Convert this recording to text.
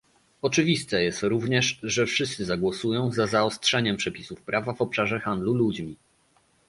Oczywiste jest również, że wszyscy zagłosują za zaostrzeniem przepisów prawa w obszarze handlu ludźmi